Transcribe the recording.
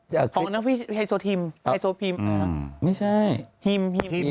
หรือพี่ไฮโซธิมไฮโซพีมอะไรหรือครับ